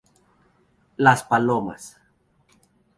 Las palomas.